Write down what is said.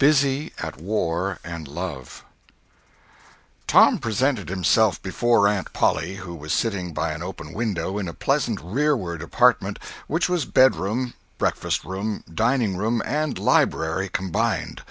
CHAPTER III TOM presented himself before Aunt Polly, who was sitting by an open window in a pleasant rearward apartment, which was bedroom, breakfast room, dining room, and library, combined.